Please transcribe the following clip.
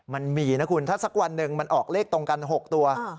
มันมีนะคุณถ้าสักวันหนึ่งมันออกเลขตรงกัน๖ตัว